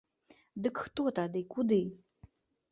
Дык хто тады куды?